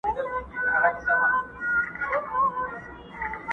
کم اصل ګل که بویوم ډک دي باغونه،